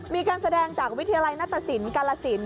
มีการแสดงจากวิทยาลัยนัตตสินกาลสิน